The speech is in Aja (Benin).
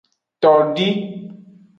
Todi.